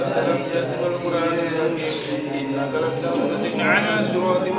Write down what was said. sampai jumpa di video selanjutnya